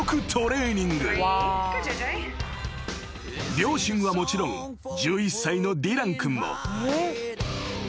［両親はもちろん１１歳のディラン君も］